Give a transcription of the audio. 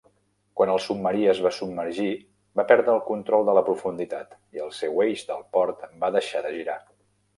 Quan el submarí es va submergir va perdre el control de la profunditat i el seu eix del port va deixar de girar.